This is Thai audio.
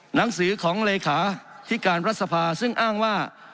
หนังสือของเลขาที่การรัฐสภาซึ่งอ้างว่า